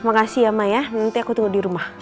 makasih ya ma ya nanti aku tunggu di rumah